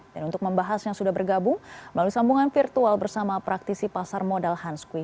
dan untuk membahas yang sudah bergabung melalui sambungan virtual bersama praktisi pasar modal hans kui